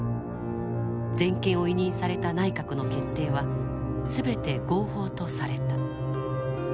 全権を委任された内閣の決定は全て合法とされた。